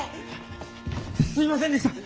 すいませんでしたッ。